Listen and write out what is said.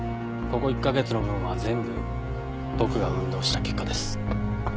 ここ１カ月の分は全部僕が運動した結果です。